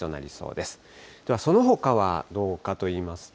ではそのほかはどうかといいますと。